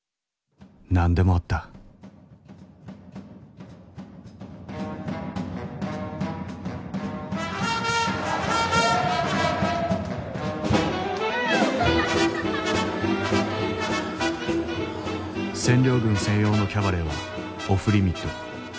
何でもあった占領軍専用のキャバレーはオフリミット。